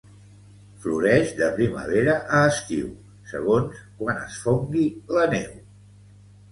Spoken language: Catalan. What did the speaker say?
Floreix de primavera a estiu segons quan es fongui la neu.